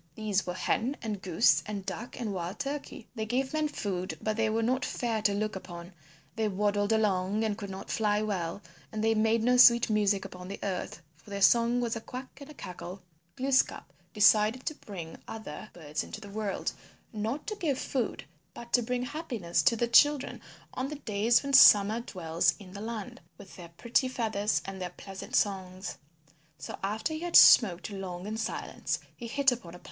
These were Hen and Goose and Duck and Wild Turkey. They gave men food, but they were not fair to look upon; they waddled along and could not fly well and they made no sweet music upon the earth, for their song was a quack and a cackle. [Illustration: AND THE CHILDREN ALL CAME TO HIM EACH ASKING FOR A BOON] Glooskap decided to bring other birds into the world, not to give food but to bring happiness to the children on the days when summer dwells in the land, with their pretty feathers and their pleasant songs. So after he had smoked long in silence he hit upon a plan.